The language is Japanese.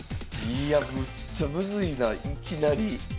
いやむっちゃむずいないきなり。